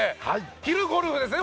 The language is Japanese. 昼ゴルフですね。